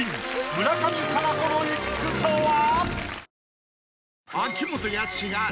村上佳菜子の一句とは？